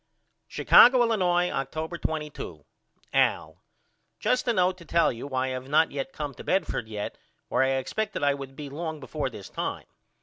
Chicago, Illinois, October 22. AL: Just a note to tell you why I have not yet came to Bedford yet where I expected I would be long before this time.